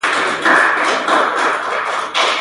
خلک د دې باور لپاره ژوند ورکوي.